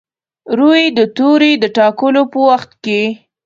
روي د توري د ټاکلو په وخت کې.